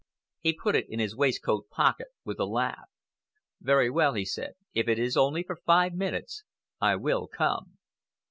He put it in his waistcoat pocket with a laugh. "Very well," he said, "if it is only for five minutes, I will come."